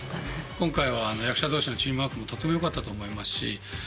今回は役者同士のチームワークもとてもよかったと思いますし